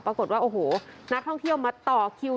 ปรากฏว่านักท่องเที่ยวมาต่อกิล